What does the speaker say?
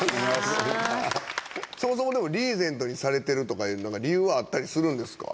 そもそもリーゼントにされてるとかいう理由はあったりするんですか？